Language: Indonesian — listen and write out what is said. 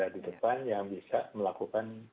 di depan yang bisa melakukan